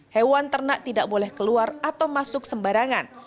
hewan ternak tidak boleh keluar atau masuk sembarangan